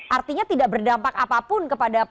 artinya tidak berdampak apapun kepada pak fiko